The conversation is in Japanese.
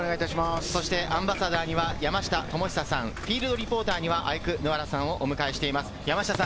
そしてアンバサダーには山下智久さん、フィールドリポーターにはアイクぬわらさんをお迎えしています。